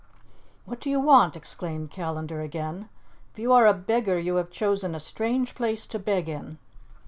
"What do you want?" exclaimed Callandar again. "If you are a beggar you have chosen a strange place to beg in."